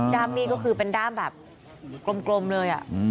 ้ามนี่ก็คือเป็นด้ามแบบกลมเลย